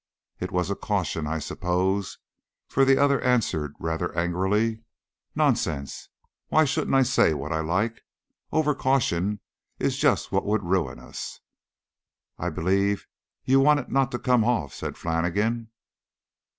It was a caution, I suppose, for the other answered rather angrily "Nonsense! Why shouldn't I say what I like? Over caution is just what would ruin us." "I believe you want it not to come off," said Flannigan.